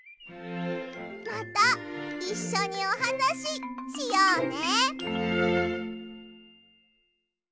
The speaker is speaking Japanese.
またいっしょにおはなししようね。